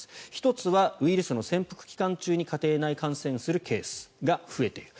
１つはウイルスの潜伏期間中に家庭内感染するケースが増えている。